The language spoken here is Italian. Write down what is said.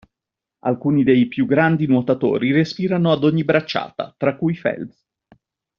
Alcuni dei più grandi nuotatori respirano ad ogni bracciata (tra cui Phelps).